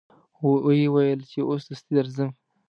و یې ویل چې اوس دستي درځم.